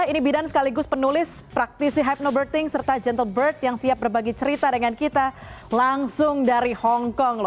ini bidan sekaligus penulis praktisi hipnoberting serta gentle bird yang siap berbagi cerita dengan kita langsung dari hongkong